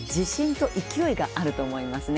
と勢いがあると思いますね。